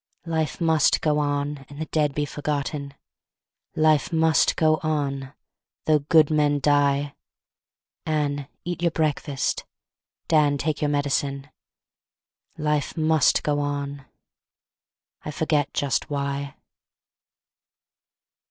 Life must go on, And the dead be forgotten; Life must go on, Though good men die; Anne, eat your breakfast; Dan, take your medicine; Life must go on; I forget just why.